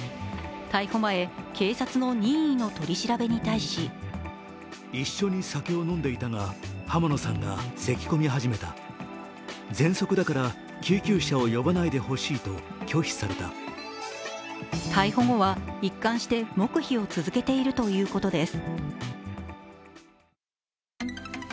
逮捕前、警察の任意の取り調べに対し逮捕後は一貫して黙秘を続けているということです。